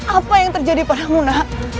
apa yang terjadi padamu nak